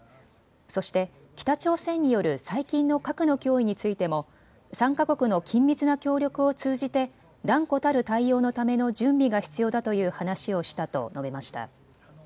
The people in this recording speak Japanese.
そして北朝鮮による最近の核の脅威についても３か国の緊密な協力を通じて断固たる対応のための準備が必要だという話をしたと述べました。